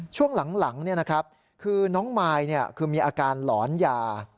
ช่วงหลังเนี่ยนะครับคือน้องมายเนี่ยคือมีอาการหลอนยา